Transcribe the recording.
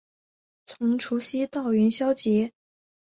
从除夕到元宵节